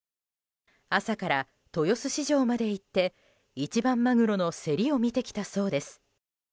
朝から豊洲市場まで行って一番マグロの競りを見てきたそうです。